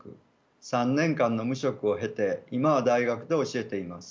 ３年間の無職を経て今は大学で教えています。